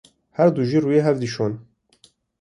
Her du jî rûyê hev dişon.